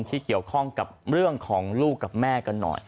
ที่เกี่ยวข้องกับเรื่องของลูกกับแม่กันหน่อย